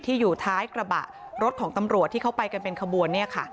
ที่อยู่ท้ายกระบะรถของตำรวจที่เข้าไปกันเป็นขบวน